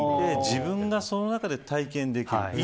自分がその中で体験できる。